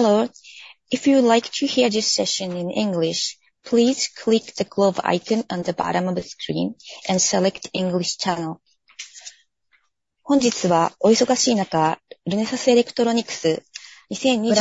Hello. If you would like to hear this session in English, please click the globe icon on the bottom of the screen and select English channel. Good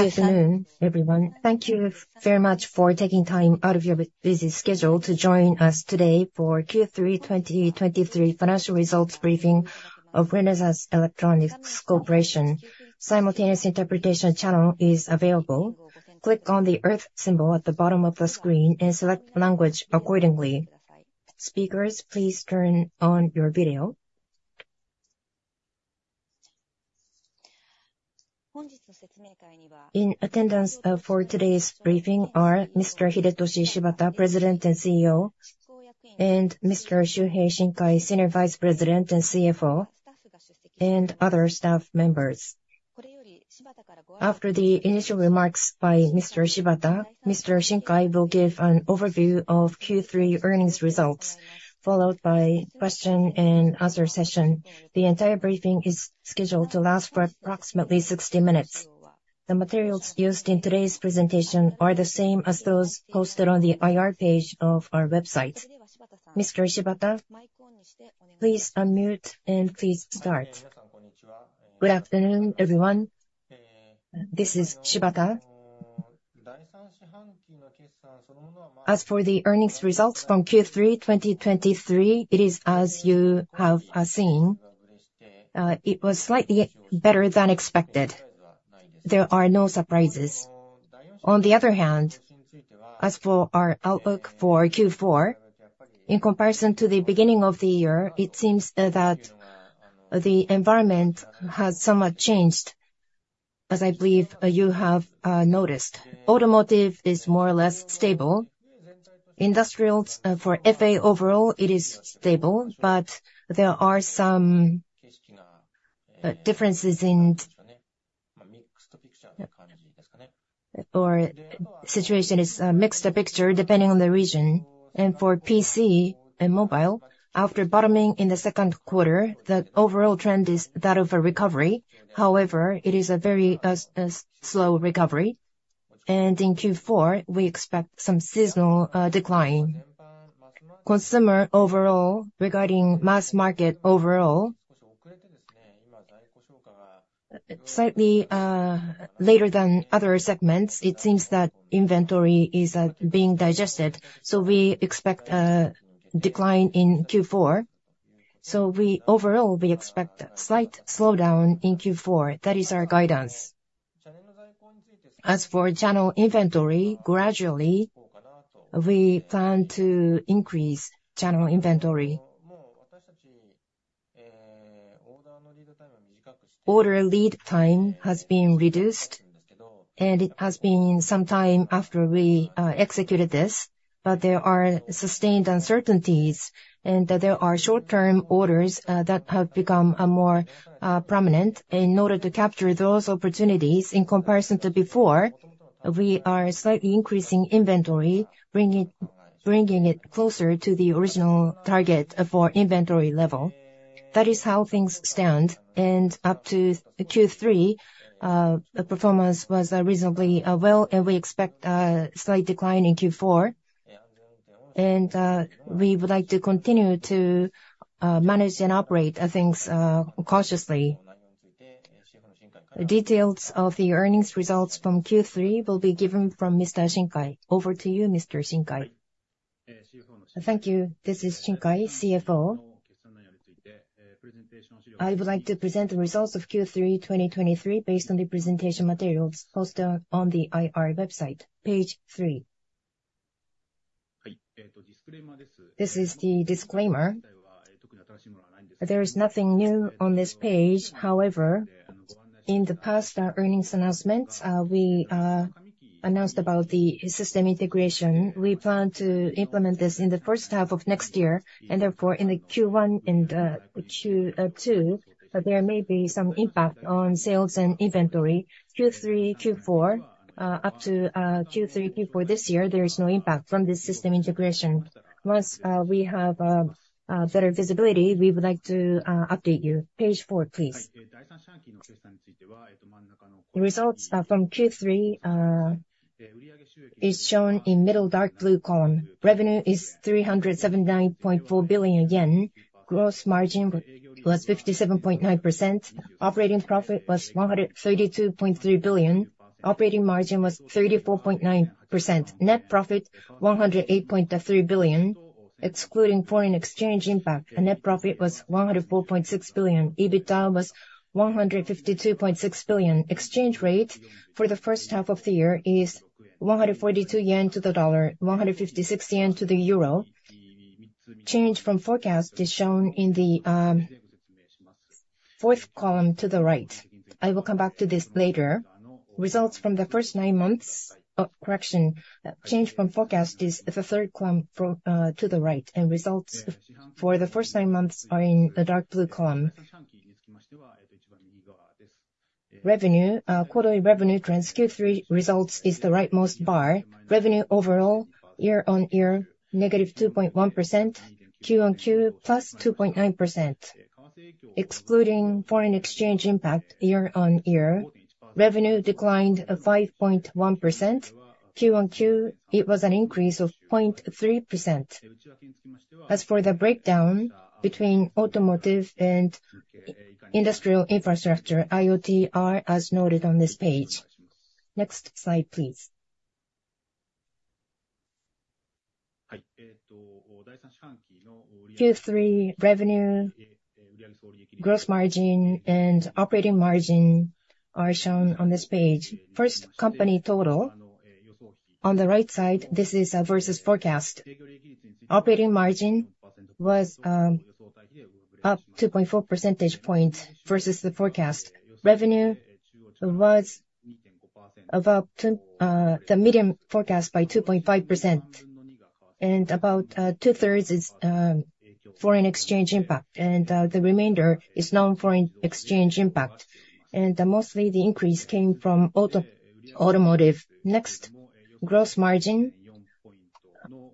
afternoon, everyone. Thank you very much for taking time out of your busy schedule to join us today for Q3 2023 Financial Results briefing of Renesas Electronics Corporation. Simultaneous interpretation channel is available. Click on the earth symbol at the bottom of the screen, and select language accordingly. Speakers, please turn on your video. In attendance, for today's briefing are Mr. Hidetoshi Shibata, President and CEO, and Mr. Shuhei Shinkai, Senior Vice President and CFO, and other staff members. After the initial remarks by Mr. Shibata, Mr. Shinkai will give an overview of Q3 earnings results, followed by question and answer session. The entire briefing is scheduled to last for approximately 60 minutes. The materials used in today's presentation are the same as those posted on the IR page of our website. Mr. Shibata, please unmute, and please start. Good afternoon, everyone. This is Shibata. As for the earnings results from Q3 2023, it is as you have seen. It was slightly better than expected. There are no surprises. On the other hand, as for our outlook for Q4, in comparison to the beginning of the year, it seems that the environment has somewhat changed, as I believe you have noticed. Automotive is more or less stable. Industrials, for FA overall, it is stable, but there are some differences in, or situation is, mixed picture depending on the region. And for PC and mobile, after bottoming in the second quarter, the overall trend is that of a recovery. However, it is a very slow recovery, and in Q4, we expect some seasonal decline. Consumer overall, regarding mass market overall, slightly later than other segments, it seems that inventory is being digested, so we expect a decline in Q4. So overall, we expect a slight slowdown in Q4. That is our guidance. As for general inventory, gradually, we plan to increase general inventory. Order lead time has been reduced, and it has been some time after we executed this, but there are sustained uncertainties, and there are short-term orders that have become more prominent. In order to capture those opportunities, in comparison to before, we are slightly increasing inventory, bringing it closer to the original target for inventory level. That is how things stand, and up to Q3, the performance was reasonably well, and we expect a slight decline in Q4. We would like to continue to manage and operate things cautiously. Details of the earnings results from Q3 will be given from Mr. Shinkai. Over to you, Mr. Shinkai. Thank you. This is Shinkai, CFO. I would like to present the results of Q3 2023, based on the presentation materials posted on the IR website, page three. This is the disclaimer. There is nothing new on this page. However, in the past earnings announcements, we announced about the system integration. We plan to implement this in the first half of next year, and therefore, in the Q1 and Q2, there may be some impact on sales and inventory. Q3, Q4, up to Q3, Q4 this year, there is no impact from this system integration. Once we have better visibility, we would like to update you. Page four, please. The results from Q3 is shown in middle dark blue column. Revenue is 379.4 billion yen. Gross margin was 57.9%. Operating profit was 132.3 billion. Operating margin was 34.9%. Net profit, 108.3 billion. Excluding foreign exchange impact, the net profit was 104.6 billion. EBITDA was 152.6 billion. Exchange rate for the first half of the year is 142 yen to the dollar, 156 yen to the euro. Change from forecast is shown in the fourth column to the right. I will come back to this later. Results from the first nine months... Oh, correction. Change from forecast is the third column from, to the right, and results for the first nine months are in the dark blue column. Revenue, quarterly revenue trends, Q3 results is the rightmost bar. Revenue overall, year-on-year, negative 2.1%. Q-on-Q, +2.9%. ...excluding foreign exchange impact year-on-year, revenue declined 5.1%. Q-on-Q, it was an increase of 0.3%. As for the breakdown between automotive and industrial infrastructure, IoT areas as noted on this page. Next slide, please. Q3 revenue, gross margin, and operating margin are shown on this page. First, company total. On the right side, this is versus forecast. Operating margin was up 2.4 percentage points versus the forecast. Revenue was about the medium forecast by 2.5%, and about 2/3 is foreign exchange impact, and the remainder is non-foreign exchange impact. And mostly, the increase came from automotive. Next, gross margin,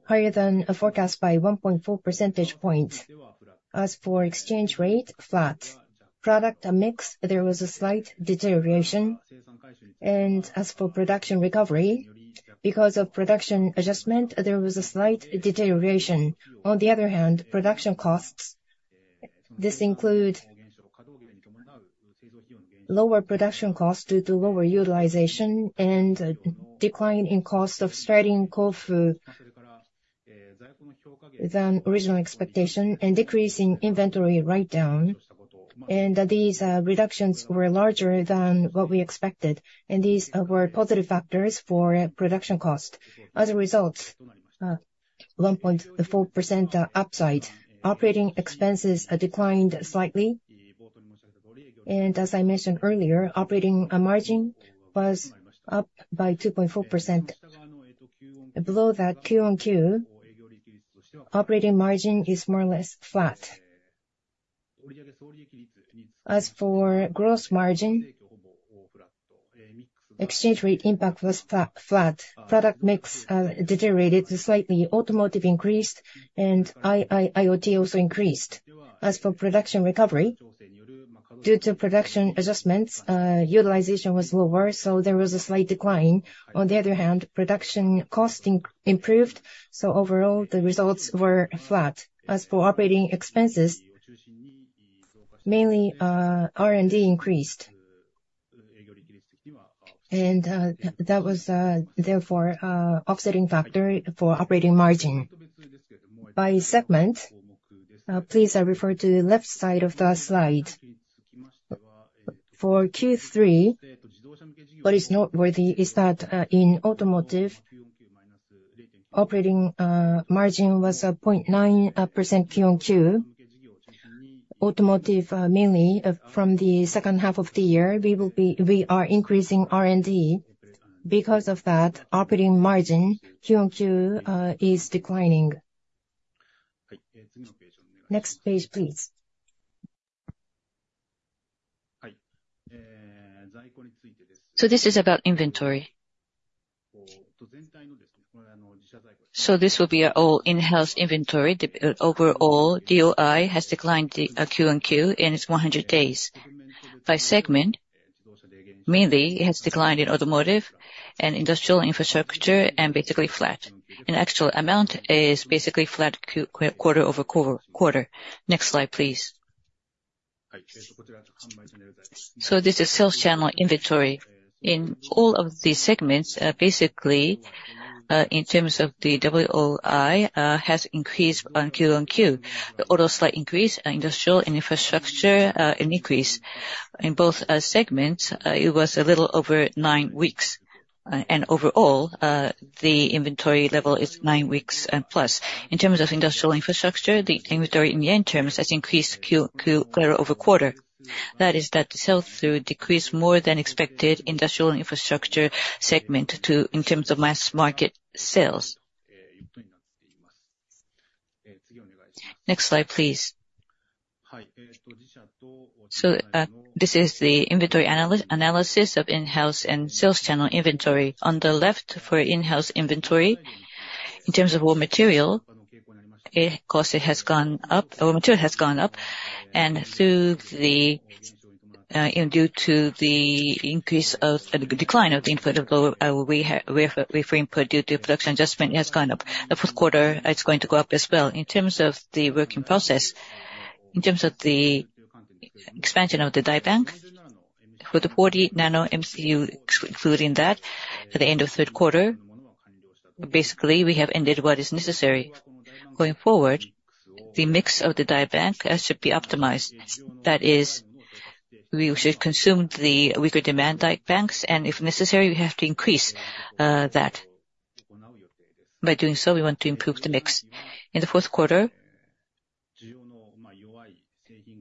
higher than forecast by 1.4 percentage points. As for exchange rate, flat. Product mix, there was a slight deterioration. As for production recovery, because of production adjustment, there was a slight deterioration. On the other hand, production costs, this include lower production costs due to lower utilization and a decline in cost of starting Kofu than original expectation and decrease in inventory write-down. And these reductions were larger than what we expected, and these were positive factors for production cost. As a result, 1.4% upside. Operating expenses declined slightly, and as I mentioned earlier, operating margin was up by 2.4%. Below that, Q-on-Q, operating margin is more or less flat. As for gross margin, exchange rate impact was flat. Product mix deteriorated slightly. Automotive increased and IoT also increased. As for production recovery, due to production adjustments, utilization was lower, so there was a slight decline. On the other hand, production cost improved, so overall, the results were flat. As for operating expenses, mainly, R&D increased. That was therefore an offsetting factor for operating margin. By segment, please, I refer to the left side of the slide. For Q3, what is noteworthy is that, in automotive, operating margin was 0.9% Q-on-Q. Automotive, mainly from the second half of the year, we are increasing R&D. Because of that, operating margin Q-on-Q is declining. Next page, please. This is about inventory. This will be our all in-house inventory. The overall DOI has declined Q-on-Q, and it's 100 days. By segment, mainly, it has declined in automotive and industrial infrastructure, and basically flat. In actual amount, it is basically flat quarter over quarter. Next slide, please. So this is sales channel inventory. In all of these segments, basically, in terms of the WOI, has increased on Q-on-Q. The auto slight increase, industrial and infrastructure, an increase. In both segments, it was a little over nine weeks. And overall, the inventory level is nine weeks+. In terms of industrial infrastructure, the inventory in JPY terms has increased Q-on-Q, quarter over quarter. That is, the sales through decreased more than expected industrial infrastructure segment to, in terms of mass market sales. Next slide, please. So, this is the inventory analysis of in-house and sales channel inventory. On the left, for in-house inventory, in terms of raw material, its cost has gone up, material has gone up. Due to the decline of the inventory, we have ramped up due to production adjustment, it has gone up. The fourth quarter, it's going to go up as well. In terms of the work in process, in terms of the expansion Die bank for the 40 nano MCU, including that, at the end of third quarter, basically, we have ended what is necessary. Going forward, the mix Die bank should be optimized. That is, we should consume the Die banks, and if necessary, we have to increase that. By doing so, we want to improve the mix. In the fourth quarter,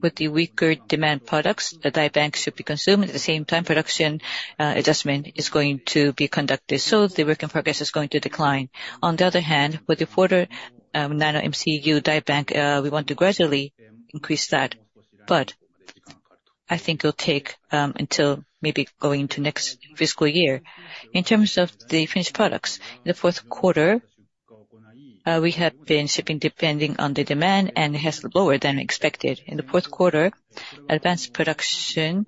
with the weaker demand Die bank should be consumed. At the same time, production adjustment is going to be conducted, so the work in progress is going to decline. On the other hand, with the quarter, Die bank, we want to gradually increase that, but I think it'll take until maybe going into next fiscal year. In terms of the finished products, in the fourth quarter- ... we have been shipping depending on the demand, and it has lower than expected. In the fourth quarter, advanced production,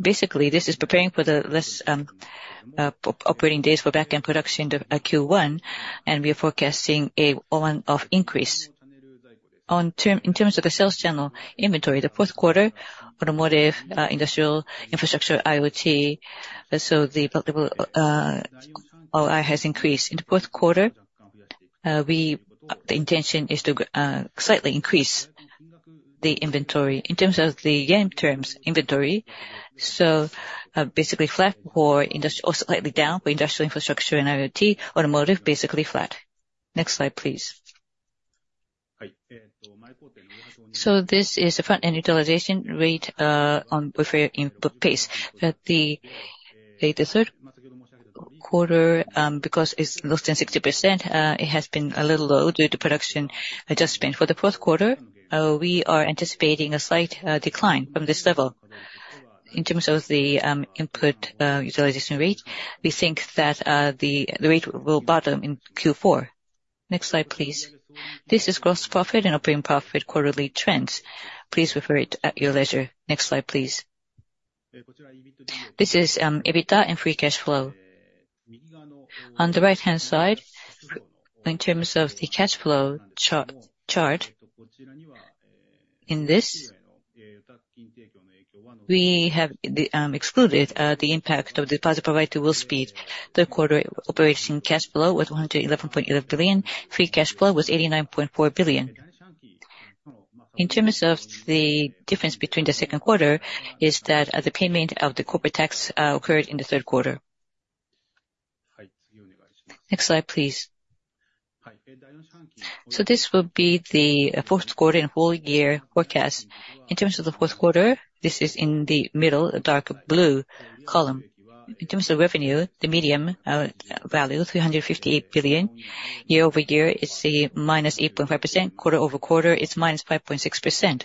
basically, this is preparing for the less operating days for back-end production of Q1, and we are forecasting a one-off increase. On term, in terms of the sales channel inventory, the fourth quarter, automotive, industrial, infrastructure, IoT, so the multiple OI has increased. In the fourth quarter, the intention is to slightly increase the inventory. In terms of the year-end terms inventory, so, basically flat for industry or slightly down for industrial infrastructure and IoT. Automotive, basically flat. Next slide, please. So this is the front-end utilization rate on buffer input pace. That the, the third quarter, because it's less than 60%, it has been a little low due to production adjustment. For the fourth quarter, we are anticipating a slight decline from this level. In terms of the front-end utilization rate, we think that the rate will bottom in Q4. Next slide, please. This is gross profit and operating profit quarterly trends. Please refer it at your leisure. Next slide, please. This is EBITDA and free cash flow. On the right-hand side, in terms of the cash flow chart, in this, we have excluded the impact of the deposit provided to Wolfspeed. Third quarter operating cash flow was 111.8 billion. Free cash flow was 89.4 billion. In terms of the difference between the second quarter, is that the payment of the corporate tax occurred in the third quarter. Next slide, please. So this will be the fourth quarter and full year forecast. In terms of the fourth quarter, this is in the middle, the dark blue column. In terms of revenue, the medium value, 358 billion. Year-over-year, it's a -8.5%. Quarter-over-quarter, it's -5.6%.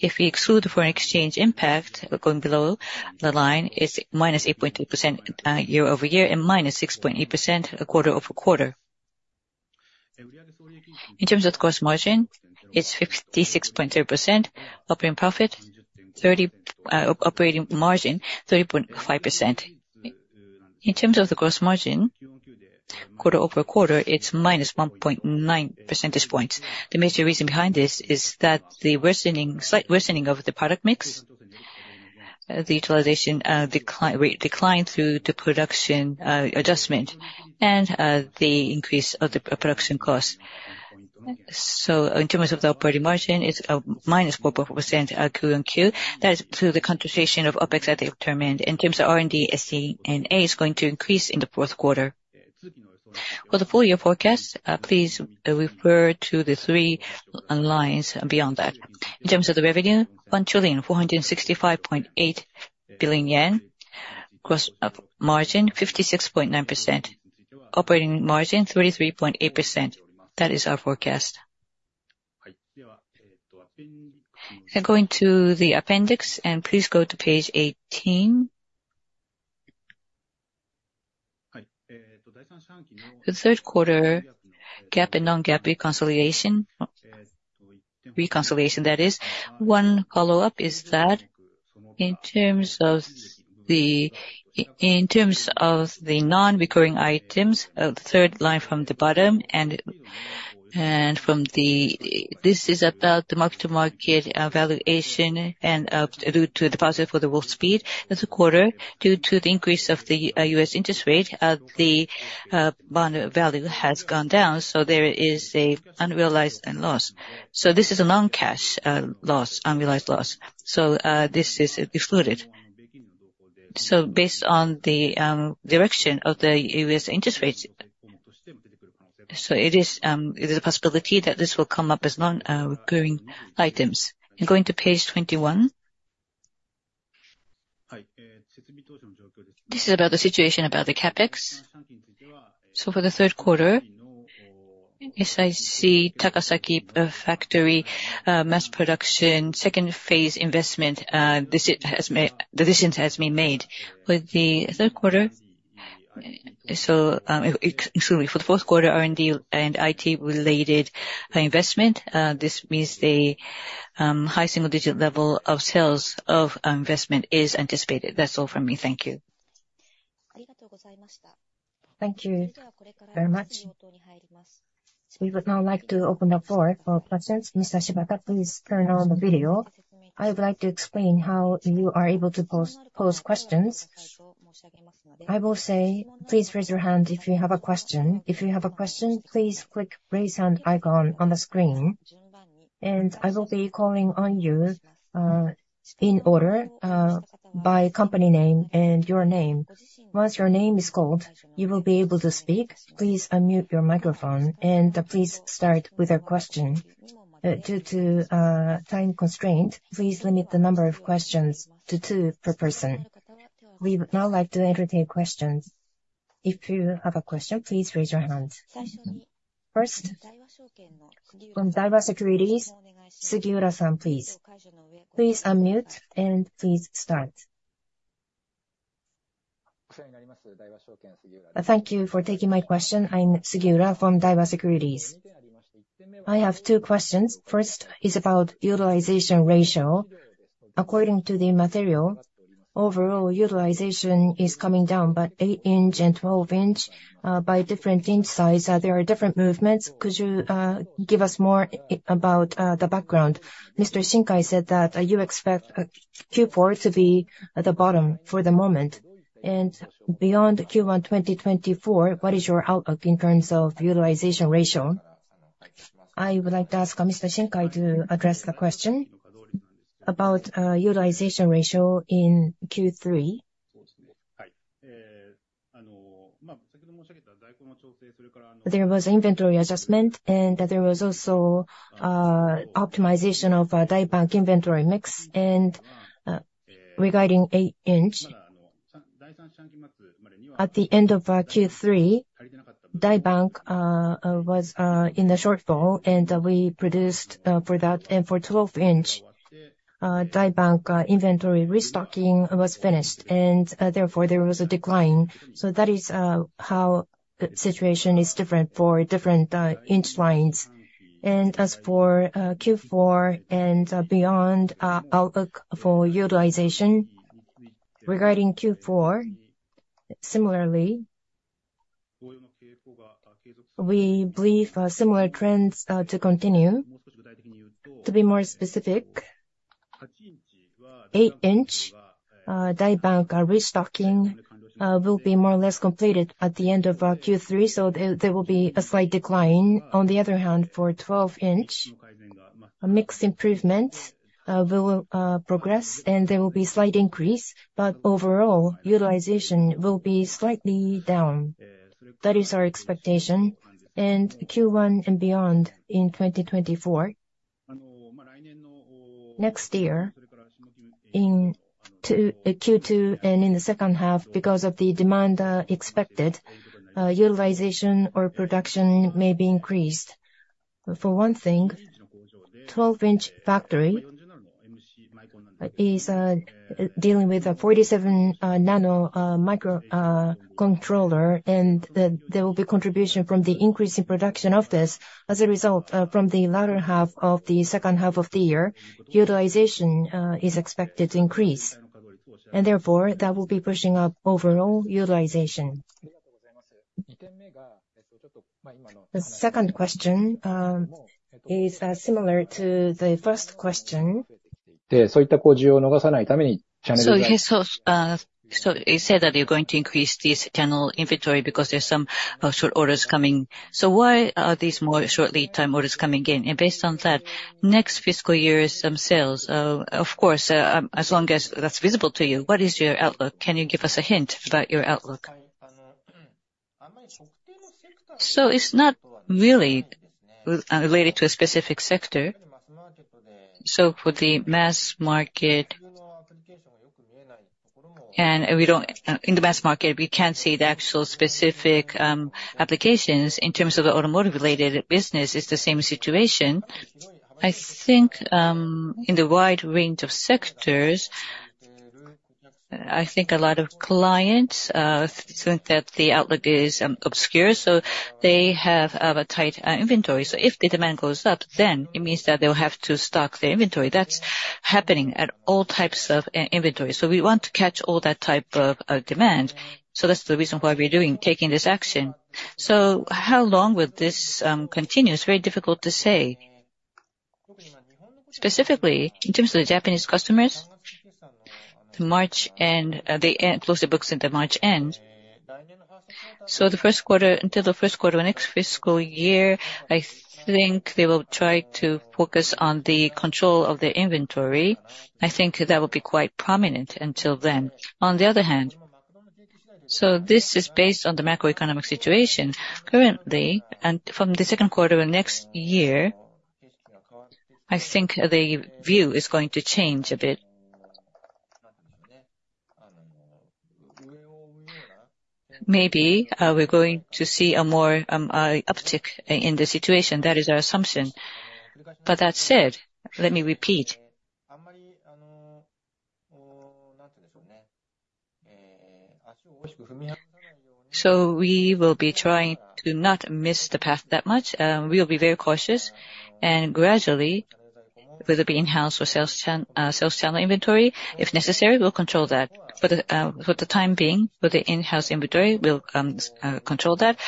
If we exclude foreign exchange impact, going below the line, it's -8.2% year-over-year, and -6.8% quarter-over-quarter. In terms of gross margin, it's 56.3%. Operating margin, 30.5%. In terms of the gross margin, quarter-over-quarter, it's -1.9 percentage points. The major reason behind this is that the worsening, slight worsening of the product mix, the utilization, decline rate declined through the production, adjustment and, the increase of the production cost. So in terms of the operating margin, it's, minus 4.4%, Q-on-Q. That is through the concentration of OpEx at the term end. In terms of R&D, SG&A is going to increase in the fourth quarter. For the full year forecast, please, refer to the three lines beyond that. In terms of the revenue, 1,465.8 billion yen. Gross margin, 56.9%. Operating margin, 33.8%. That is our forecast. Now going to the appendix, and please go to page 18. The third quarter GAAP and non-GAAP reconciliation, that is. One follow-up is that in terms of the non-recurring items, the third line from the bottom, and from the... This is about the mark-to-market valuation and due to the deposit for Wolfspeed. That's a quarter due to the increase of the U.S. interest rate, the bond value has gone down, so there is an unrealized loss. So this is a non-cash, unrealized loss. So this is excluded. So based on the direction of the U.S. interest rates, so it is a possibility that this will come up as non-recurring items. And going to page 21. This is about the situation about the CapEx. For the third quarter, SiC Takasaki factory mass production second phase investment, decisions have been made. For the fourth quarter, R&D and IT related investment, this means the high single digit level of sales of investment is anticipated. That's all from me. Thank you. Thank you very much. We would now like to open the floor for questions. Mr. Shibata, please turn on the video. I would like to explain how you are able to pose questions. I will say, "Please raise your hand if you have a question." If you have a question, please click raise hand icon on the screen, and I will be calling on you in order by company name and your name. Once your name is called, you will be able to speak. Please unmute your microphone and please start with a question. Due to time constraint, please limit the number of questions to two per person. We would now like to entertain questions. If you have a question, please raise your hand. First, from Daiwa Securities, Sugiura-san, please. Please unmute, and please start. Thank you for taking my question. I'm Sugiura from Daiwa Securities. I have two questions. First is about utilization ratio. According to the material, overall utilization is coming down, but 8 in and 12 in, by different inch size, there are different movements. Could you give us more about the background? Mr. Shinkai said that you expect Q4 to be at the bottom for the moment, and beyond Q1 2024, what is your outlook in terms of utilization ratio? I would like to ask Mr. Shinkai to address the question about utilization ratio in Q3. There was inventory adjustment, and there was also Die bank inventory mix. Regarding 8 in, at the end Die bank was in the shortfall, and we produced for that. Die bank inventory restocking was finished, and therefore, there was a decline. So that is how the situation is different for different inch lines. As for Q4 and beyond, our outlook for utilization. Regarding Q4, similarly, we believe similar trends to continue. To be more Die bank restocking will be more or less completed at the end of Q3, so there will be a slight decline. On the other hand, for 12 in, a mixed improvement will progress, and there will be slight increase, but overall, utilization will be slightly down. That is our expectation. Q1 and beyond, in 2024, next year, in Q2 and in the second half, because of the demand expected, utilization or production may be increased. For one thing, 12 in factory is dealing with a 47 nano microcontroller, and there, there will be contribution from the increase in production of this. As a result, from the latter half of the second half of the year, utilization is expected to increase, and therefore, that will be pushing up overall utilization. The second question is similar to the first question. So he said that you're going to increase this channel inventory because there's some short orders coming. So why are these more short lead time orders coming in? And based on that, next fiscal year's sales, of course, as long as that's visible to you, what is your outlook? Can you give us a hint about your outlook? So it's not really related to a specific sector. So for the mass market. And we don't, in the mass market, we can't see the actual specific applications. In terms of the automotive-related business, it's the same situation. I think, in the wide range of sectors, I think a lot of clients think that the outlook is obscure, so they have a tight inventory. So if the demand goes up, then it means that they'll have to stock their inventory. That's happening at all types of inventory, so we want to catch all that type of demand. So that's the reason why we're taking this action. So how long will this continue? It's very difficult to say. Specifically, in terms of the Japanese customers, the March end, the end, close the books at the March end. So the first quarter, until the first quarter, next fiscal year, I think they will try to focus on the control of their inventory. I think that will be quite prominent until then. On the other hand, this is based on the macroeconomic situation. Currently, and from the second quarter of next year, I think the view is going to change a bit. Maybe, we're going to see a more uptick in the situation. That is our assumption. But that said, let me repeat. So we will be trying to not miss the path that much. We will be very cautious, and gradually, whether it be in-house or sales channel inventory, if necessary, we'll control that. For the time being, for the in-house inventory, we'll control that.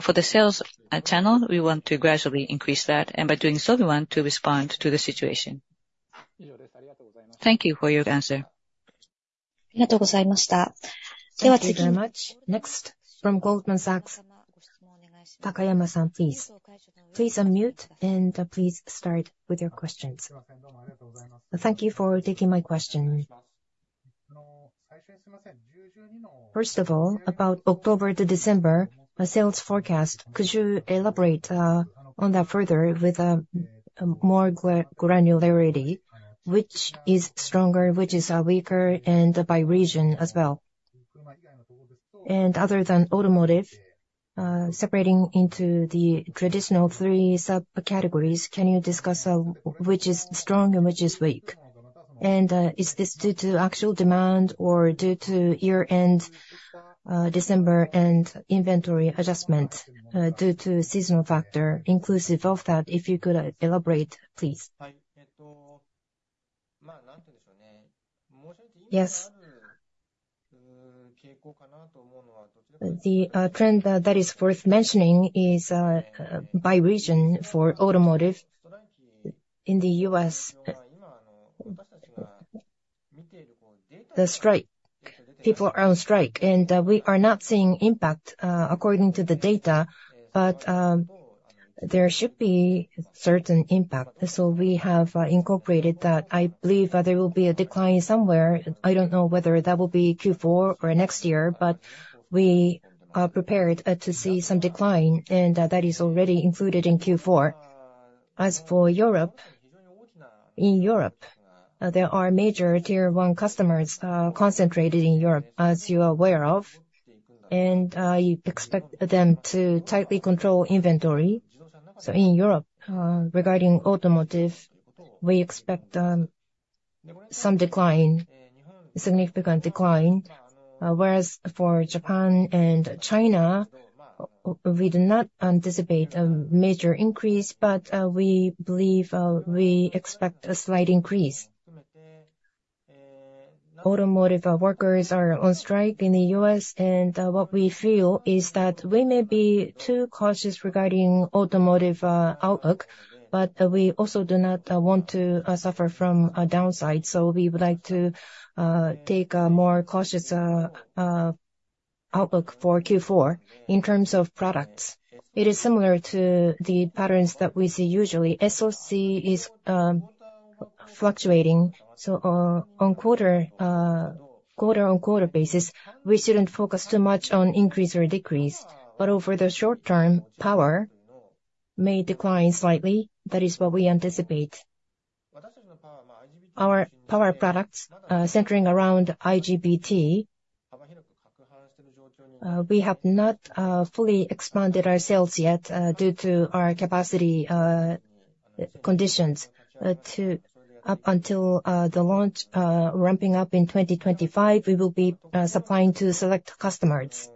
For the sales channel, we want to gradually increase that, and by doing so, we want to respond to the situation. Thank you for your answer. Thank you very much. Next, from Goldman Sachs, Takayama-san, please. Please unmute, and please start with your questions. Thank you for taking my question. First of all, about October to December, the sales forecast, could you elaborate on that further with more granularity, which is stronger, which is weaker, and by region as well? And other than automotive- ... separating into the traditional three subcategories, can you discuss which is strong and which is weak? And, is this due to actual demand or due to year-end December and inventory adjustment due to seasonal factor? Inclusive of that, if you could elaborate, please. Yes. The trend that is worth mentioning is by region for automotive in the U.S. The strike, people are on strike, and we are not seeing impact according to the data, but there should be certain impact, so we have incorporated that. I believe there will be a decline somewhere. I don't know whether that will be Q4 or next year, but we are prepared to see some decline, and that is already included in Q4. As for Europe, in Europe, there are major Tier 1 customers concentrated in Europe, as you are aware of, and I expect them to tightly control inventory. So in Europe, regarding automotive, we expect some decline, significant decline. Whereas for Japan and China, we do not anticipate a major increase, but we believe we expect a slight increase. Automotive workers are on strike in the U.S., and what we feel is that we may be too cautious regarding automotive outlook, but we also do not want to suffer from a downside, so we would like to take a more cautious outlook for Q4. In terms of products, it is similar to the patterns that we see usually. SoC is fluctuating, so on quarter-on-quarter basis, we shouldn't focus too much on increase or decrease. But over the short term, power may decline slightly. That is what we anticipate. Our power products centering around IGBT, we have not fully expanded our sales yet due to our capacity conditions. Up until the launch, ramping up in 2025, we will be supplying to select customers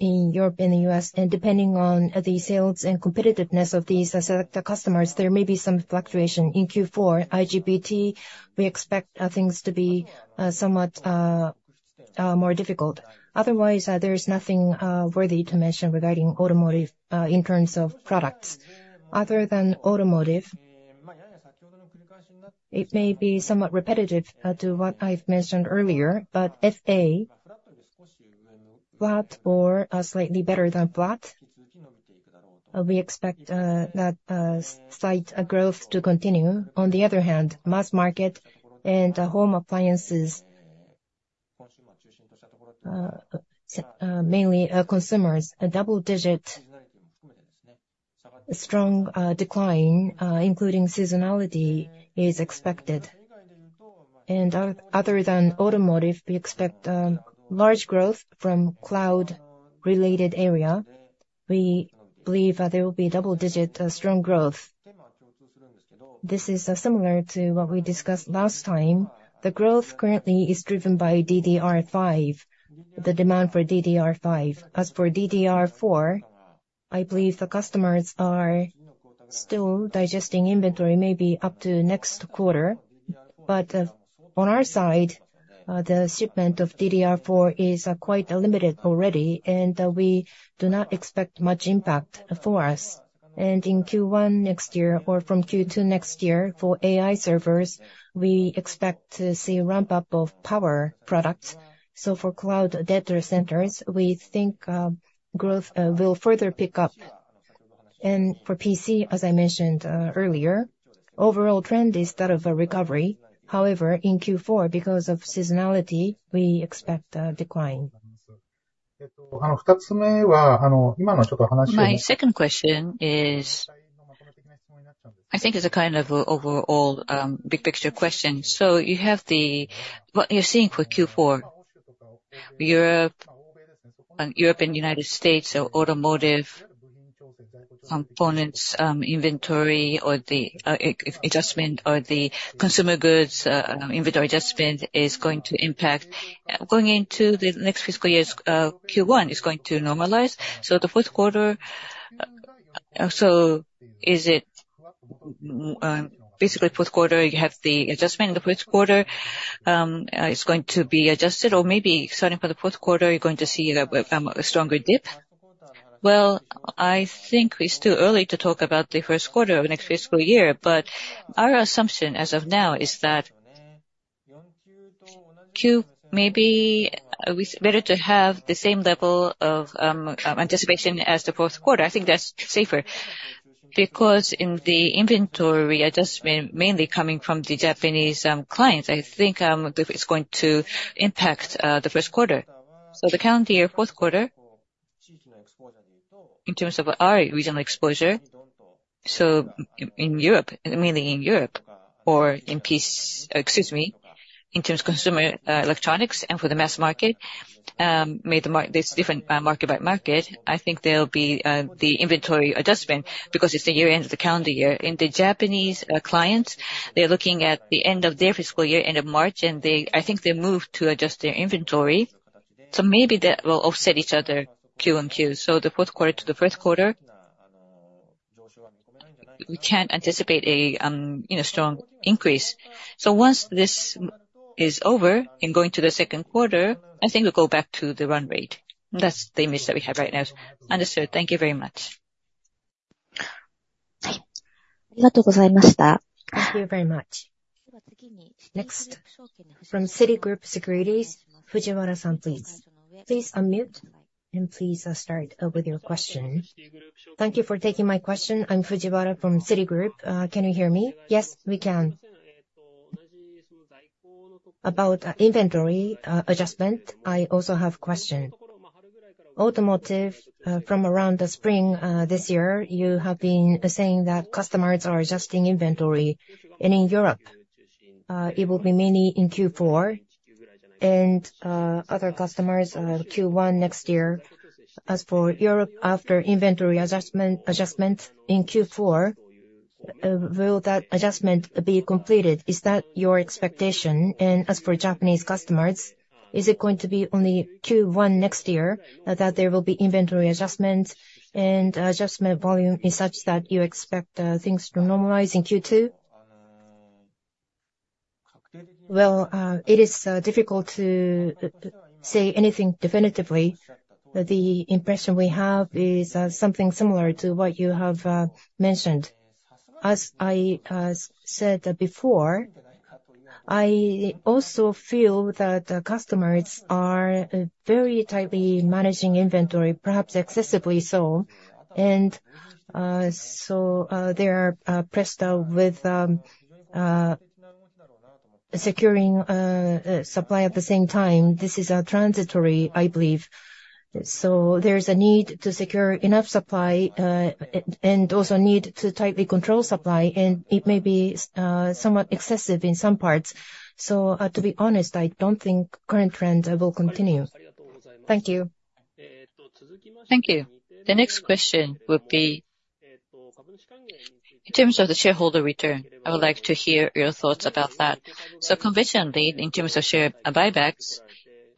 in Europe and the U.S. And depending on the sales and competitiveness of these select customers, there may be some fluctuation. In Q4, IGBT, we expect things to be somewhat more difficult. Otherwise, there is nothing worthy to mention regarding automotive, in terms of products. Other than automotive, it may be somewhat repetitive to what I've mentioned earlier, but FA, flat or slightly better than flat, we expect that slight growth to continue. On the other hand, mass market and home appliances, mainly consumers, a double-digit strong decline, including seasonality, is expected. And other than automotive, we expect large growth from cloud-related area. We believe that there will be double-digit, strong growth. This is similar to what we discussed last time. The growth currently is driven by DDR5, the demand for DDR5. As for DDR4, I believe the customers are still digesting inventory, maybe up to next quarter. But on our side, the shipment of DDR4 is quite limited already, and we do not expect much impact for us. And in Q1 next year, or from Q2 next year, for AI servers, we expect to see a ramp-up of power products. So for cloud data centers, we think growth will further pick up. And for PC, as I mentioned earlier, overall trend is that of a recovery. However, in Q4, because of seasonality, we expect a decline. My second question is, I think it's a kind of overall, big picture question. So you have the what you're seeing for Q4, Europe and, Europe and United States, so automotive components, inventory or the, adjustment or the consumer goods, inventory adjustment is going to impact. Going into the next fiscal year's, Q1, is going to normalize? So the fourth quarter... So is it, basically fourth quarter, you have the adjustment in the fourth quarter, it's going to be adjusted, or maybe starting for the fourth quarter, you're going to see a stronger dip? Well, I think it's too early to talk about the first quarter of next fiscal year, but our assumption as of now is that Q-- maybe we better to have the same level of anticipation as the fourth quarter. I think that's safer, because in the inventory adjustment, mainly coming from the Japanese clients, I think it's going to impact the first quarter. So the calendar year, fourth quarter, in terms of our regional exposure- ...So in Europe, mainly in Europe or in Asia, excuse me, in terms of consumer electronics and for the mass market, makes the market this different market by market, I think there'll be the inventory adjustment because it's the year-end of the calendar year. In the Japanese clients, they're looking at the end of their fiscal year, end of March, and they, I think they moved to adjust their inventory. So maybe that will offset each other Q-on-Q. So the fourth quarter to the first quarter, we can't anticipate a you know, strong increase. So once this is over, in going to the second quarter, I think we'll go back to the run rate. That's the image that we have right now. Understood. Thank you very much. Thank you very much. Next, from Citigroup Securities, Fujiwara-san, please. Please unmute, and please, start with your question. Thank you for taking my question. I'm Fujiwara from Citigroup. Can you hear me? Yes, we can. About inventory adjustment, I also have question. Automotive, from around the spring this year, you have been saying that customers are adjusting inventory. In Europe, it will be mainly in Q4 and other customers Q1 next year. As for Europe, after inventory adjustment, adjustment in Q4, will that adjustment be completed? Is that your expectation? As for Japanese customers, is it going to be only Q1 next year that there will be inventory adjustments, and adjustment volume is such that you expect things to normalize in Q2? Well, it is difficult to say anything definitively, but the impression we have is something similar to what you have mentioned. As I said before, I also feel that the customers are very tightly managing inventory, perhaps excessively so. And so they are pressed with securing supply at the same time. This is transitory, I believe. So there is a need to secure enough supply, and also need to tightly control supply, and it may be somewhat excessive in some parts. So to be honest, I don't think current trends will continue. Thank you. Thank you. The next question will be: in terms of the shareholder return, I would like to hear your thoughts about that. Conventionally, in terms of share buybacks,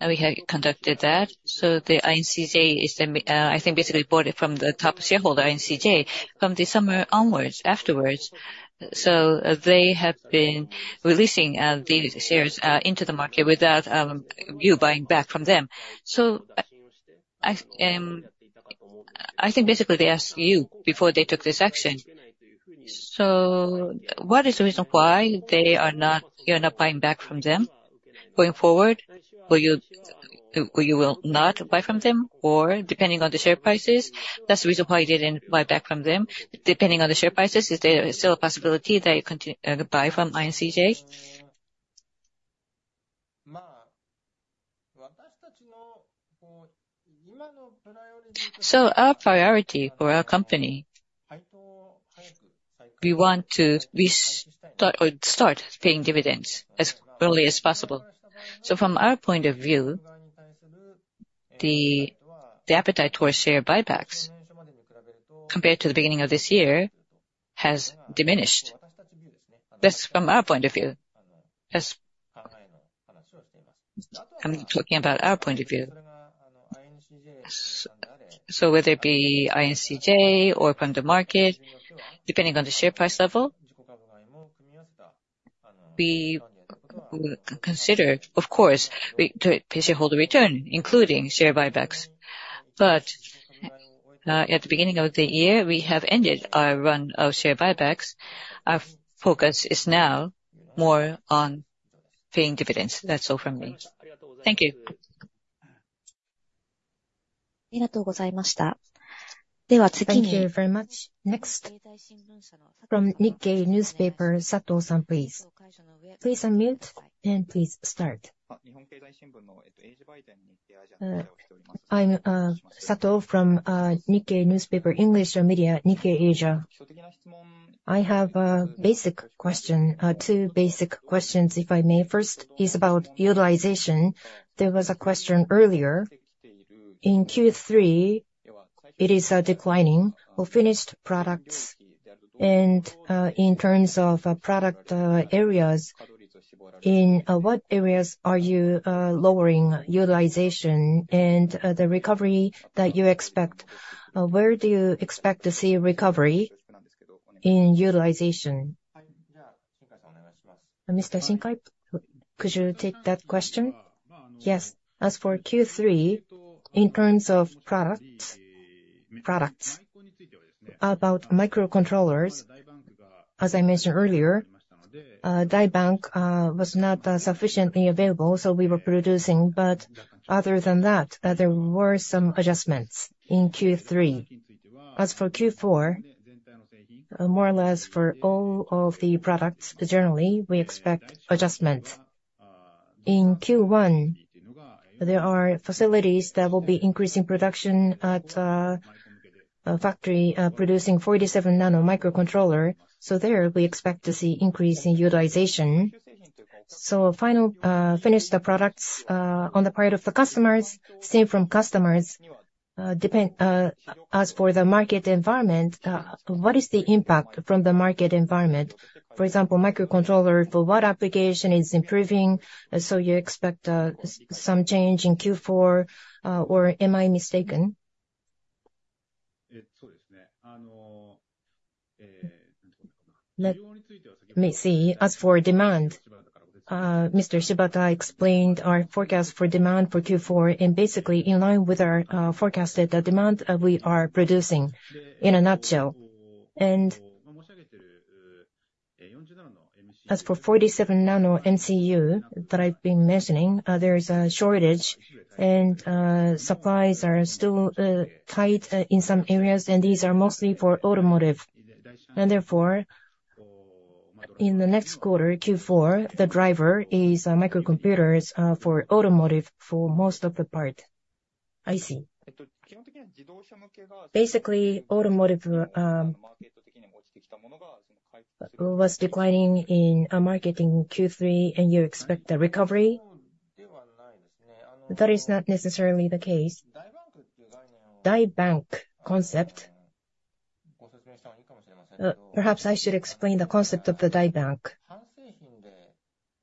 we have conducted that. The INCJ is the, I think, basically bought it from the top shareholder, INCJ, from the summer onwards, afterwards. They have been releasing the shares into the market without you buying back from them. I think basically they asked you before they took this action. What is the reason why they are not, you're not buying back from them? Going forward, will you, you will not buy from them, or depending on the share prices, that's the reason why you didn't buy back from them. Depending on the share prices, is there still a possibility that you buy from INCJ? So our priority for our company, we want to start paying dividends as early as possible. So from our point of view, the appetite towards share buybacks, compared to the beginning of this year, has diminished. That's from our point of view. I'm talking about our point of view. So whether it be INCJ or from the market, depending on the share price level, we will consider, of course, we to shareholder return, including share buybacks. But at the beginning of the year, we have ended our run of share buybacks. Our focus is now more on paying dividends. That's all from me. Thank you. Thank you very much. Next, from Nikkei Newspaper, Sato-san, please. Please unmute, and please start. I'm Sato from Nikkei Newspaper, English media, Nikkei Asia. I have a basic question, two basic questions, if I may. First is about utilization. There was a question earlier. In Q3, it is declining on finished products. In terms of product areas, in what areas are you lowering utilization and the recovery that you expect? Where do you expect to see recovery in utilization? Mr. Shinkai, could you take that question? Yes. As for Q3, in terms of products, products, about microcontrollers, as I Die bank was not sufficiently available, so we were producing. But other than that, there were some adjustments in Q3. As for Q4, more or less for all of the products, generally, we expect adjustment... In Q1, there are facilities that will be increasing production at a factory producing 47 nano microcontroller. So there, we expect to see increase in utilization. So final finished products on the part of the customers, same from customers, depend, as for the market environment, what is the impact from the market environment? For example, microcontroller, for what application is improving, so you expect some change in Q4, or am I mistaken? Let me see. As for demand, Mr. Shibata explained our forecast for demand for Q4, and basically in line with our forecast, the demand we are producing, in a nutshell. As for 47 nano MCU that I've been mentioning, there is a shortage, and supplies are still tight in some areas, and these are mostly for automotive. And therefore, in the next quarter, Q4, the driver is microcomputers for automotive for most of the part. I see. Basically, automotive was declining in market in Q3, and you expect a recovery? That is not necessarily Die bank concept. perhaps I should explain the concept Die bank.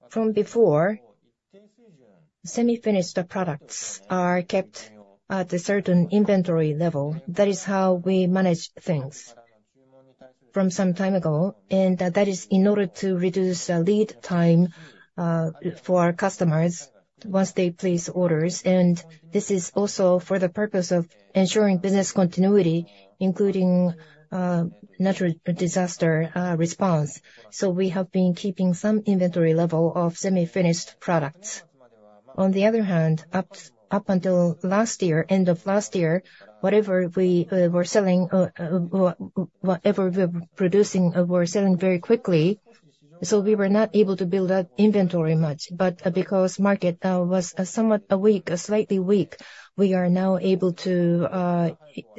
from before, semi-finished products are kept at a certain inventory level. That is how we manage things from some time ago, and that is in order to reduce the lead time for our customers once they place orders. This is also for the purpose of ensuring business continuity, including natural disaster response. We have been keeping some inventory level of semi-finished products. On the other hand, up until last year, end of last year, whatever we were selling, whatever we were producing, we were selling very quickly, so we were not able to build that inventory much. Because market was somewhat weak, slightly weak, we are now able to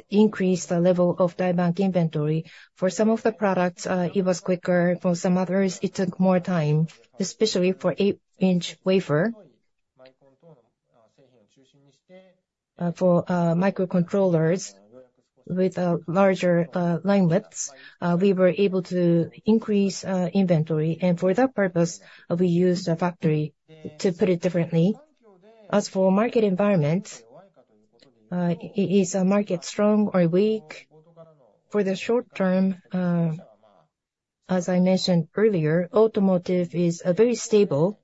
increase the Die bank inventory. for some of the products, it was quicker. For some others, it took more time, especially for 8 in wafer. For microcontrollers with larger line widths, we were able to increase inventory, and for that purpose, we used a factory, to put it differently. As for market environment, is market strong or weak? For the short term, as I mentioned earlier, automotive is very stable.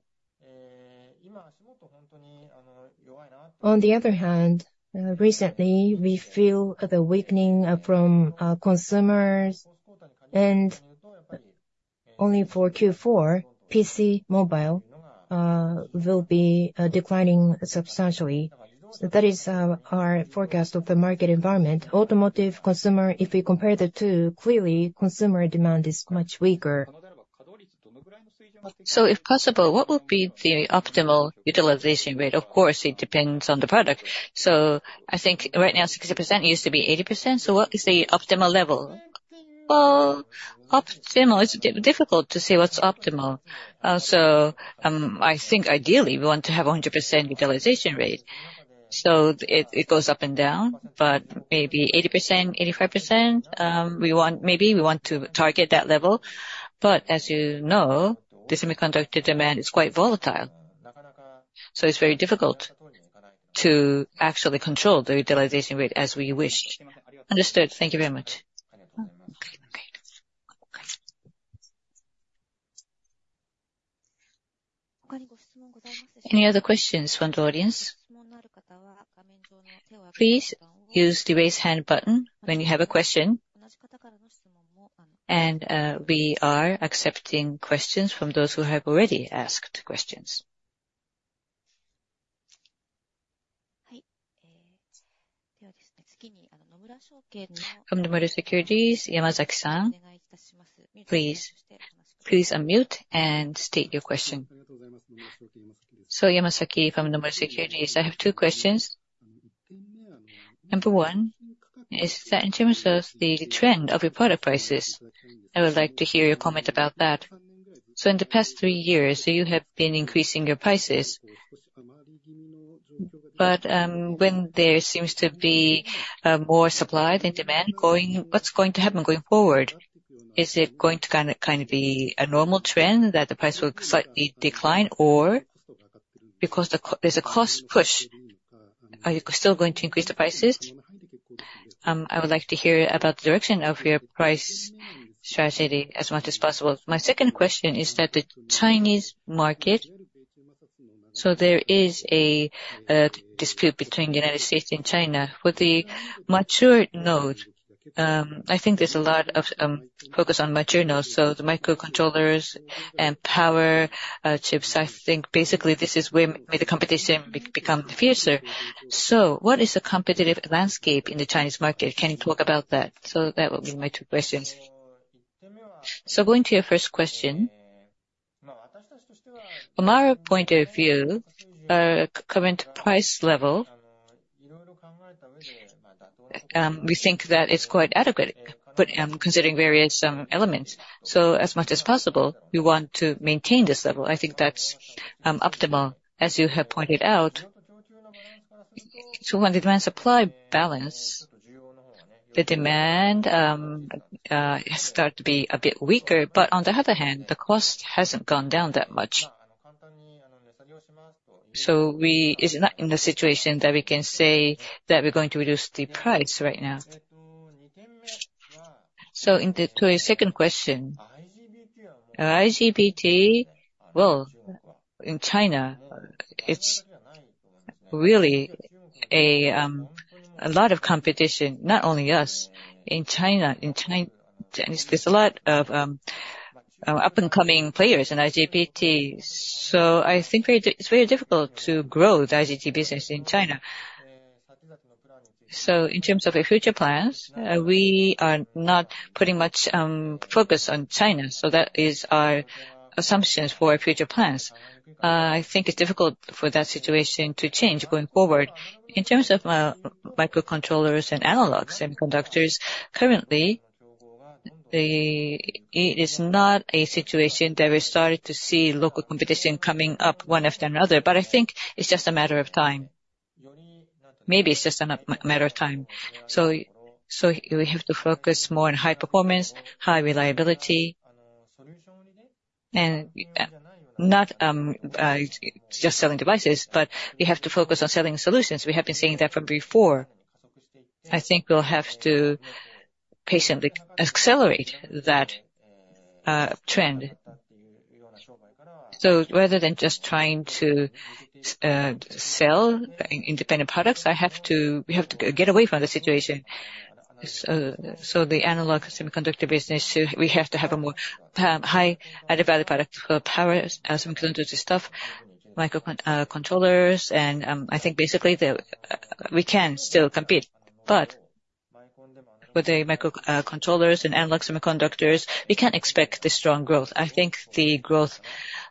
On the other hand, recently, we feel the weakening from our consumers, and only for Q4, PC, mobile, will be declining substantially. So that is our forecast of the market environment. Automotive, consumer, if we compare the two, clearly consumer demand is much weaker. So, if possible, what would be the optimal utilization rate? Of course, it depends on the product. So I think right now, 60%, it used to be 80%. So what is the optimal level? Well, optimal, it's difficult to say what's optimal. So, I think ideally, we want to have a 100% utilization rate, so it, it goes up and down, but maybe 80%, 85%. We want, maybe we want to target that level. But as you know, the semiconductor demand is quite volatile, so it's very difficult to actually control the utilization rate as we wish. Understood. Thank you very much. Any other questions from the audience? Please use the Raise Hand button when you have a question. And, we are accepting questions from those who have already asked questions. From Nomura Securities, Yamazaki-san, please, please unmute and state your question. Yamazaki from Nomura Securities. I have two questions. One, in terms of the trend of your product prices, I would like to hear your comment about that. So in the past three years, you have been increasing your prices, but when there seems to be more supply than demand going, what's going to happen going forward? Is it going to kind of, kind of be a normal trend, that the price will slightly decline? Or because there's a cost push, are you still going to increase the prices? I would like to hear about the direction of your price strategy as much as possible. My second question is that the Chinese market, so there is a dispute between United States and China. With the mature node, I think there's a lot of focus on mature nodes, so the microcontrollers and power chips, I think basically this is where the competition may become fiercer. So what is the competitive landscape in the Chinese market? Can you talk about that? So that would be my two questions.... So going to your first question, from our point of view, current price level, we think that it's quite adequate, but, considering various elements. So as much as possible, we want to maintain this level. I think that's optimal. As you have pointed out, so when demand supply balance, the demand start to be a bit weaker, but on the other hand, the cost hasn't gone down that much. So we is not in the situation that we can say that we're going to reduce the price right now. So in the, to your second question, IGBT, well, in China, it's really a lot of competition, not only us. In China, there's a lot of up-and-coming players in IGBT. So I think very d- it's very difficult to grow the IGBT business in China. So in terms of our future plans, we are not pretty much focused on China, so that is our assumptions for our future plans. I think it's difficult for that situation to change going forward. In terms of microcontrollers and analogs and conductors, currently, it is not a situation that we started to see local competition coming up one after another, but I think it's just a matter of time. Maybe it's just a matter of time. So we have to focus more on high performance, high reliability, and not just selling devices, but we have to focus on selling solutions. We have been saying that from before. I think we'll have to patiently accelerate that trend. So rather than just trying to sell independent products, I have to-- we have to get away from the situation. So, the analog semiconductor business, we have to have a more, high added-value product for power semiconductor stuff, microcontrollers, and, I think basically, we can still compete. But with the micro, controllers and analog semiconductors, we can't expect the strong growth. I think the growth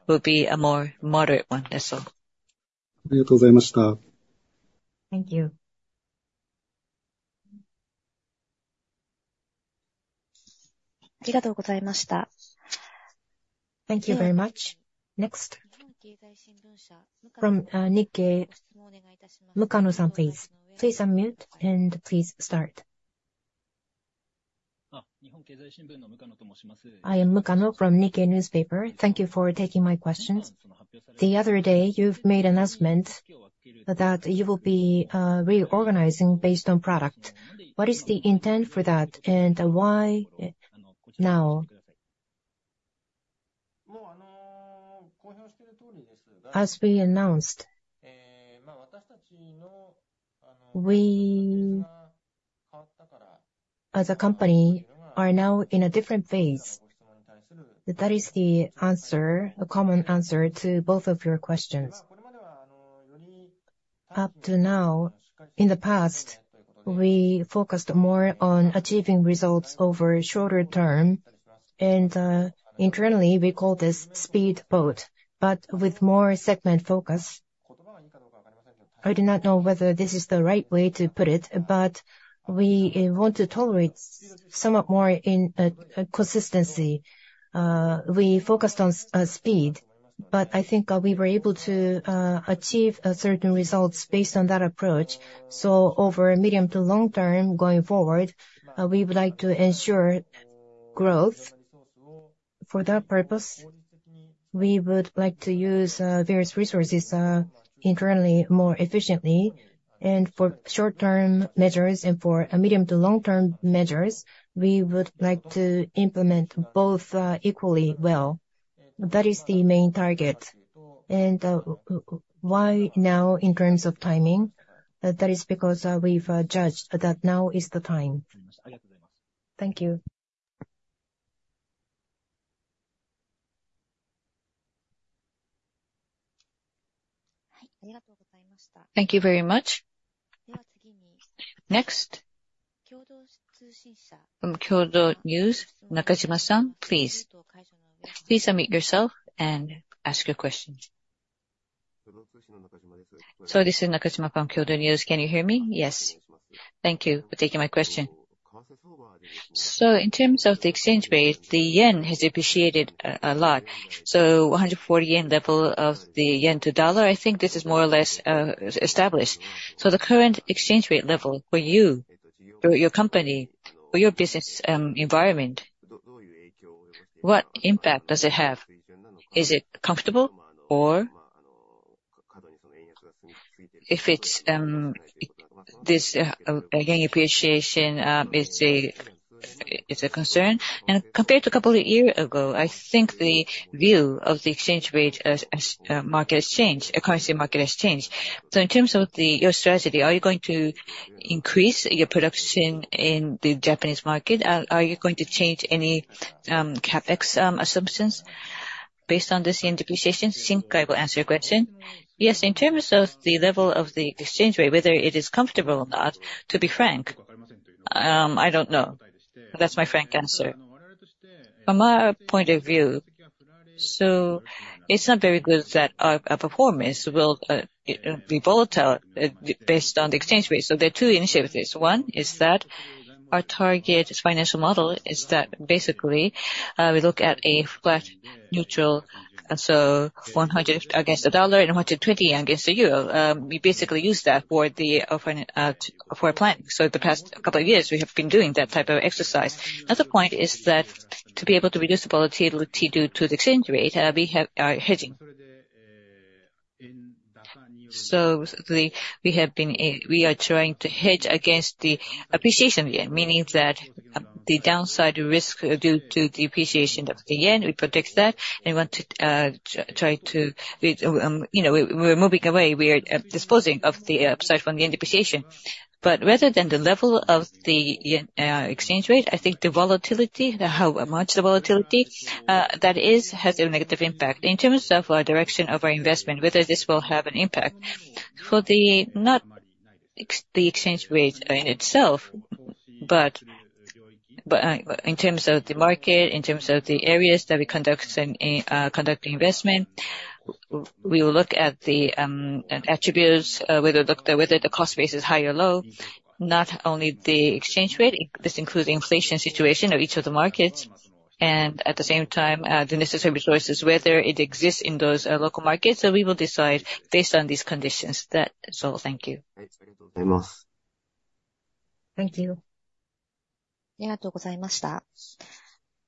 will be a more moderate one, that's all. Thank you. Thank you very much. Next, from Nikkei, Mukano-san, please. Please unmute, and please start. I am Mukano from Nikkei Newspaper. Thank you for taking my questions. The other day, you've made announcement that you will be, reorganizing based on product. What is the intent for that, and, why now? As we announced, we, as a company, are now in a different phase. That is the answer, a common answer to both of your questions. Up to now, in the past, we focused more on achieving results over shorter term, and internally, we call this speed boat, but with more segment focus. I do not know whether this is the right way to put it, but we want to tolerate somewhat more in consistency. We focused on speed, but I think we were able to achieve certain results based on that approach. So over medium to long term, going forward, we would like to ensure growth. For that purpose, we would like to use various resources internally, more efficiently. And for short-term measures and for medium to long-term measures, we would like to implement both equally well. That is the main target. Why now, in terms of timing? That is because we've judged that now is the time. Thank you. Thank you very much. Next, from Kyodo News, Nakajima-san, please. Please unmute yourself and ask your questions. So this is Nakajima from Kyodo News. Can you hear me? Yes. Thank you for taking my question. So in terms of the exchange rate, the JPY has appreciated a lot. So 140 yen level of the JPY to dollar, I think this is more or less established. So the current exchange rate level for you, for your company, for your business environment, what impact does it have? Is it comfortable, or if it's this appreciation, it's a concern? And compared to a couple of year ago, I think the view of the exchange rate as market has changed, currency market has changed. So in terms of your strategy, are you going to increase your production in the Japanese market? Are you going to change any CapEx assumptions?... based on this depreciation, Shinkai will answer your question. Yes, in terms of the level of the exchange rate, whether it is comfortable or not, to be frank, I don't know. That's my frank answer. From my point of view, so it's not very good that our performance will be volatile based on the exchange rate. So there are two initiatives. One is that our target financial model is that basically, we look at a flat neutral, and so 100 against the US dollar and 120 against the EUR. We basically use that for planning. So the past couple of years, we have been doing that type of exercise. Another point is that to be able to reduce the volatility due to the exchange rate, we are hedging. So we have been, we are trying to hedge against the appreciation, meaning that the downside risk due to the appreciation of the JPY, we protect that. We want to try to, you know, we're moving away. We are disposing of the upside from the depreciation. But rather than the level of the JPY exchange rate, I think the volatility, how much the volatility that is has a negative impact. In terms of our direction of our investment, whether this will have an impact, for the not exactly the exchange rate in itself, but in terms of the market, in terms of the areas that we conduct investment, we will look at the attributes, whether the cost base is high or low, not only the exchange rate. This includes the inflation situation of each of the markets, and at the same time, the necessary resources, whether it exists in those local markets. So we will decide based on these conditions. That is all. Thank you. Thank you.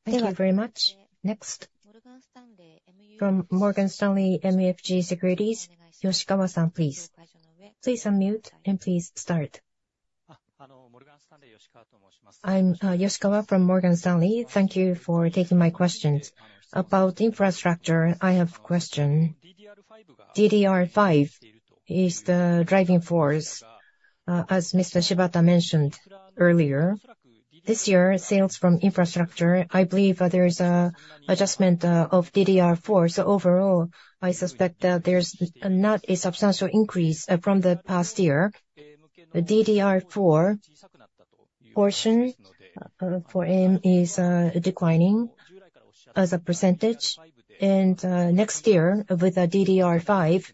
Thank you very much. Next, from Morgan Stanley MUFG Securities, Yoshikawa-san, please. Please unmute, and please start. I'm Yoshikawa from Morgan Stanley. Thank you for taking my questions. About infrastructure, I have question. DDR5 is the driving force, as Mr. Shibata mentioned earlier. This year, sales from infrastructure, I believe there is a adjustment, of DDR4. So overall, I suspect that there's not a substantial increase, from the past year. The DDR4 portion, for AIM is, declining as a percentage. And, next year, with the DDR5,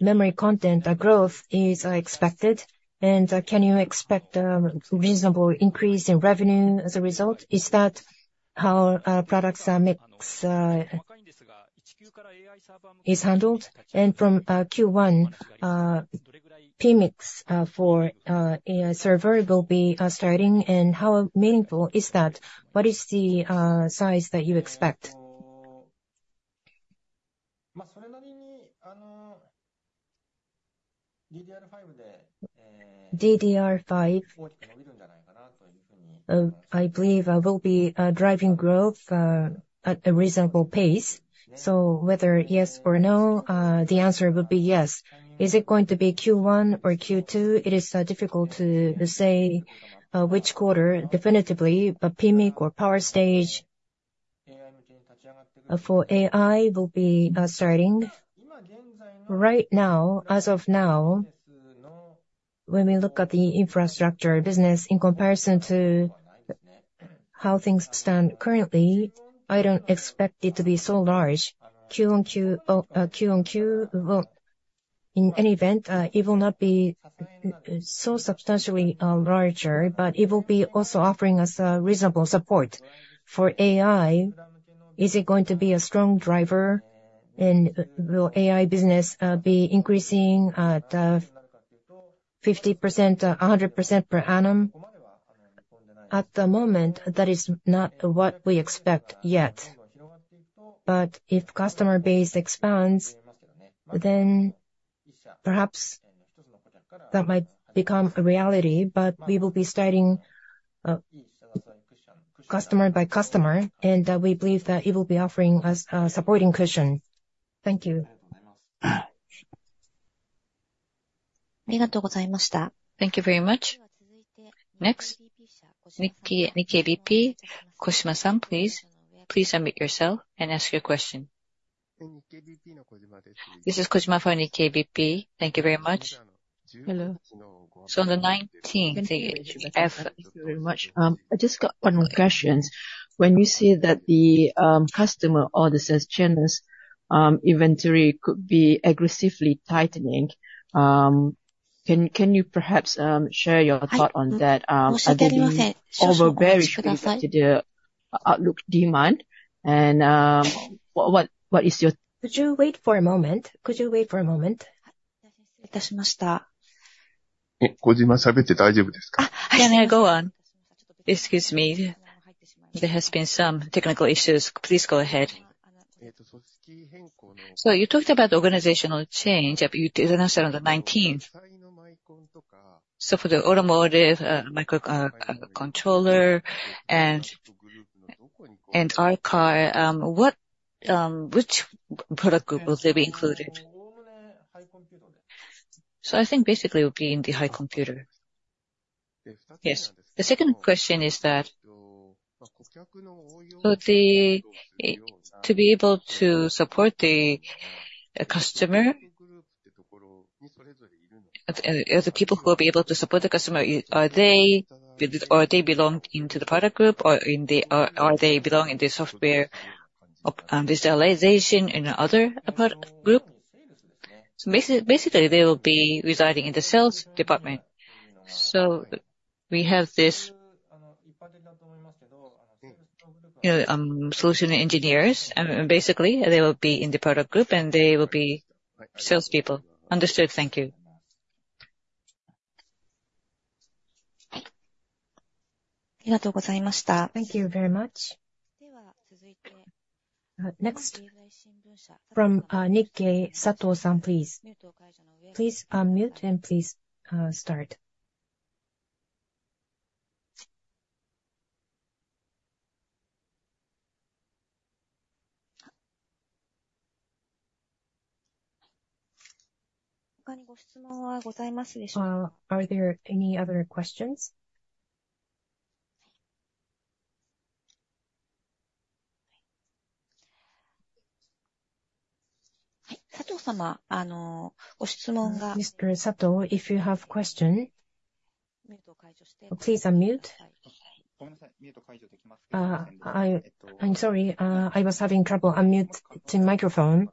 memory content, the growth is, expected. And, can you expect, reasonable increase in revenue as a result? Is that how our products, mix, is handled? And from, Q1, PMIC, for, AI server will be, starting, and how meaningful is that? What is the, size that you expect? DDR5, I believe, will be driving growth at a reasonable pace. So whether yes or no, the answer would be yes. Is it going to be Q1 or Q2? It is difficult to say which quarter definitively, but PMIC or power stage for AI will be starting. Right now, as of now, when we look at the infrastructure business in comparison to how things stand currently, I don't expect it to be so large. Q-on-Q, Q-on-Q, well, in any event, it will not be so substantially larger, but it will be also offering us a reasonable support. For AI, is it going to be a strong driver, and will AI business be increasing at 50%, 100% per annum? At the moment, that is not what we expect yet. But if customer base expands, then perhaps that might become a reality. But we will be starting, customer by customer, and we believe that it will be offering us a supporting cushion. Thank you. Thank you very much. Next, Nikkei, Nikkei BP, Kojima-san, please. Please unmute yourself and ask your question. This is Kojima from Nikkei BP. Thank you very much. Hello. So on the 19 Thank you very much. I just got one more question. When you say that the customer orders as channels inventory could be aggressively tightening, can you perhaps share your thought on that? I believe over very specific to the outlook demand, and what is your- Could you wait for a moment? Could you wait for a moment? Can I go on? Excuse me. There has been some technical issues. Please go ahead. So you talked about organizational change, but you didn't answer on the 19. So for the automotive microcontroller and R-Car, which product group will they be included? ...So I think basically it will be in the high computer. Yes. The second question is that, for the, to be able to support the, the customer, the people who will be able to support the customer, are they, are they belong into the product group, or in the, or, or they belong in the software of, visualization in the other product group? So basically, they will be residing in the sales department. So we have this, solution engineers, and basically, they will be in the product group, and they will be salespeople. Understood. Thank you. Thank you very much. Next from Nikkei, Sato-san, please. Please unmute, and please start. Are there any other questions? Mr. Sato, if you have question, please unmute. I'm sorry, I was having trouble unmuting the microphone.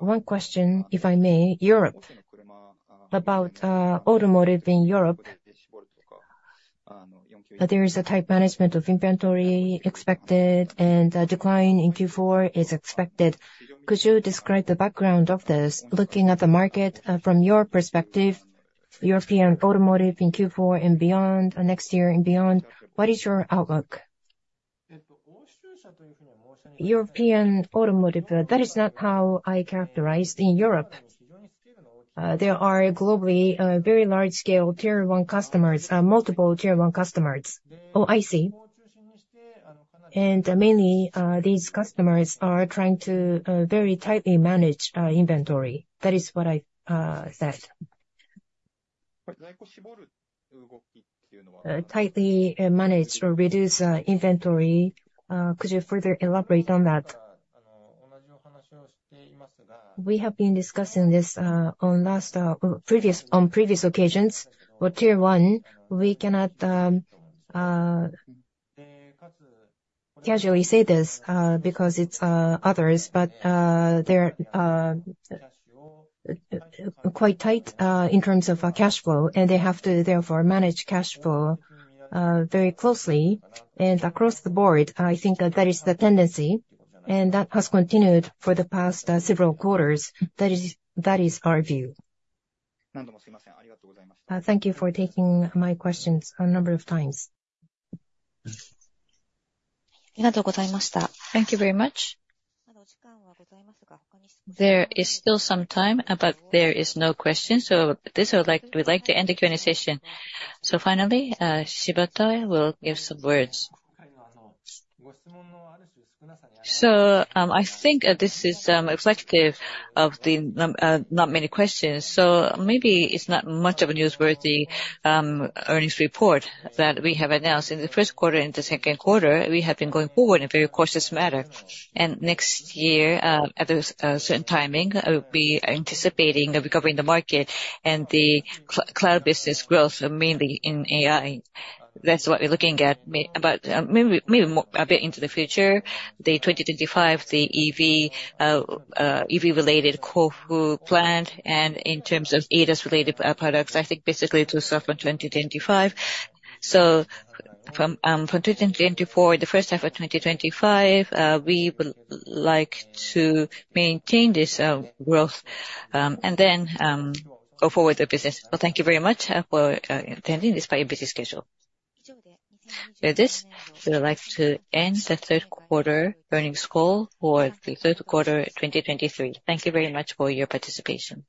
One question, if I may, Europe. About automotive in Europe, there is a tight management of inventory expected, and a decline in Q4 is expected. Could you describe the background of this, looking at the market from your perspective, European automotive in Q4 and beyond, or next year and beyond, what is your outlook? European automotive, that is not how I characterized in Europe. There are globally very large-scale Tier 1 customers, multiple Tier 1 customers. Oh, I see. Mainly, these customers are trying to very tightly manage inventory. That is what I said. Tightly manage or reduce inventory, could you further elaborate on that? We have been discussing this on previous occasions. For Tier 1, we cannot casually say this because it's others, but they're quite tight in terms of cash flow, and they have to therefore manage cash flow very closely. And across the board, I think that that is the tendency, and that has continued for the past several quarters. That is, that is our view. Thank you for taking my questions a number of times. Thank you very much. There is still some time, but there is no question, so with this, I would like, we'd like to end the Q&A session. So finally, Shibata will give some words. So, I think this is reflective of the not many questions, so maybe it's not much of a newsworthy earnings report that we have announced. In the first quarter and the second quarter, we have been going forward in a very cautious manner. Next year, at a certain timing, we are anticipating recovering the market and the cloud business growth, mainly in AI. That's what we're looking at, but maybe a bit into the future, the 2025, the EV-related Kofu plant, and in terms of ADAS-related products, I think basically it will start from 2025. So from 2024, the first half of 2025, we would like to maintain this growth, and then go forward with business. Well, thank you very much for attending despite your busy schedule. With this, we would like to end the third quarter earnings call for the third quarter 2023. Thank you very much for your participation.